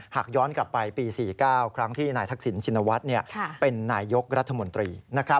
หากย้อนกลับไปปี๔๙ครั้งที่นายทักษิณชินวัฒน์เป็นนายยกรัฐมนตรี